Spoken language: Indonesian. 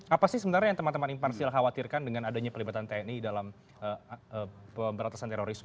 apa sih sebenarnya yang teman teman imparsial khawatirkan dengan adanya pelibatan tni dalam pemberantasan terorisme